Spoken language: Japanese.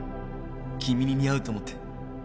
君に似合うと思って。